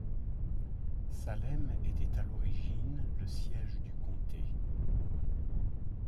Salem était à l'origine le siège du comté.